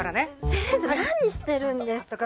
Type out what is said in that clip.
先生何してるんですか？